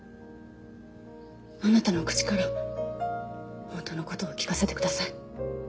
あなたの口から本当の事を聞かせてください。